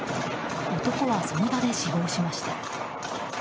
男はその場で死亡しました。